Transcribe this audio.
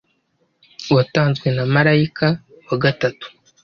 watanzwe na marayika wa gatatu.”